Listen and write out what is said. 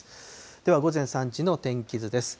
では午前３時の天気図です。